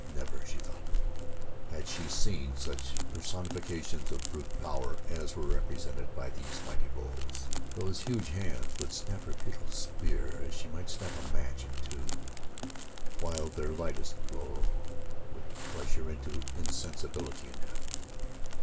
Never, she thought, had she seen such personifications of brute power as were represented by these mighty bulls. Those huge hands would snap her futile spear as she might snap a match in two, while their lightest blow could crush her into insensibility and death.